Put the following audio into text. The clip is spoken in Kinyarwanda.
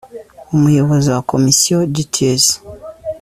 umuyobozi wa komisiyo duties